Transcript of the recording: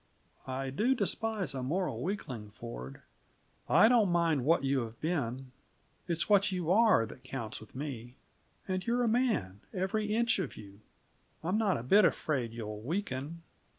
I do despise a moral weakling, Ford. I don't mind what you have been; it's what you are, that counts with me. And you're a man, every inch of you. I'm not a bit afraid you'll weaken.